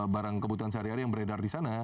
barang kebutuhan sehari hari yang beredar di sana